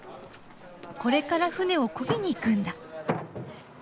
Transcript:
これから舟をこぎに行くんだ。